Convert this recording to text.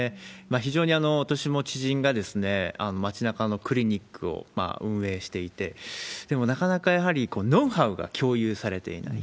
非常に私も知人が、町なかのクリニックを運営していて、でもなかなか、やはりノウハウが共有されていない。